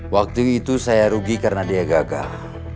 waktu itu saya rugi karena dia gagal